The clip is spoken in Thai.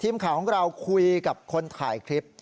ทีมข่าวของเราคุยกับคนถ่ายคลิป